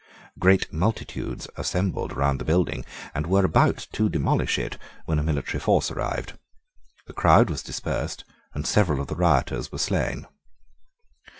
Great multitudes assembled round the building, and were about to demolish it, when a military force arrived. The crowd was dispersed, and several of the rioters were slain.